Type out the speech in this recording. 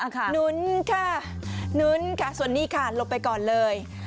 หนุ้นค่ะหนุ้นส่วนนี้ลบไปก่อนเลย